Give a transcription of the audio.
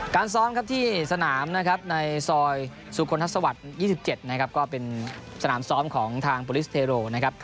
ซ้อมครับที่สนามนะครับในซอยสุคลทัศวรรค์๒๗นะครับก็เป็นสนามซ้อมของทางโปรลิสเทโรนะครับ